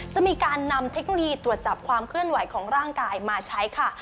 จะมีการนำเทคโนโลยีตรวจจับความเคลื่อนไหวของร่างกายมาใช้ค่ะ